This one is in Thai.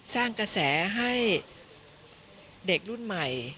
สร้างกระแสให้เด็กรุ่นใหม่